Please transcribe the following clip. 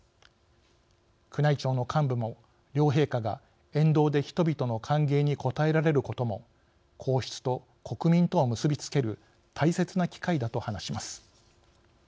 宮内庁の幹部も「両陛下が沿道で人々の歓迎に応えられることも皇室と国民とを結びつける大切な機会だ」と話します。